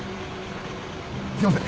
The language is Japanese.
すいません。